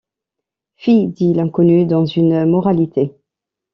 Fi! dit l’inconnu, dans une moralité !